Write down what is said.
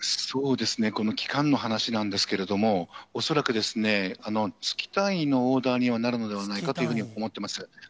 この期間の話なんですけれども、恐らくですね、月単位のオーダーにはなるのではないかというふうに思ってます。